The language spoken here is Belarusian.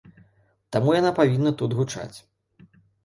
Таму яна павінна тут гучаць.